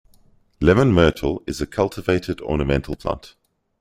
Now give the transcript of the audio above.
Lemon myrtle is a cultivated ornamental plant.